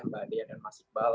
mbak dea dan mas iqbal